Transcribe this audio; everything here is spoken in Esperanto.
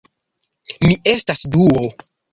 Mi estas Duo